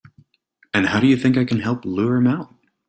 And how do you think I can help lure him out?